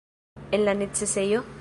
En la necesejo?